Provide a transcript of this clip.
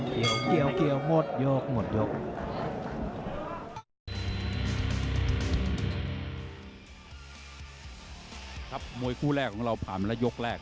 ครับมวยคู่แรกของเราผ่านมาในยกแรก